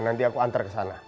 nanti aku antar ke sana